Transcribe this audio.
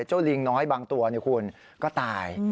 ลิงน้อยบางตัวคุณก็ตาย